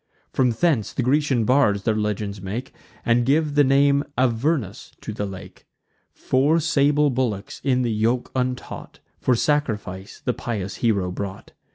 From hence the Grecian bards their legends make, And give the name Avernus to the lake. Four sable bullocks, in the yoke untaught, For sacrifice the pious hero brought.